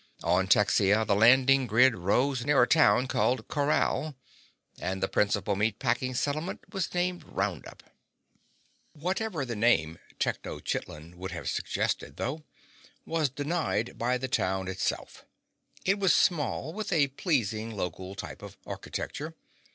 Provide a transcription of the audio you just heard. On Texia the landing grid rose near a town called Corral and the principal meat packing settlement was named Roundup. Whatever the name Tenochitlan would have suggested, though, was denied by the town itself. It was small, with a pleasing local type of architecture.